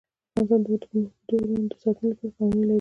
افغانستان د اوږده غرونه د ساتنې لپاره قوانین لري.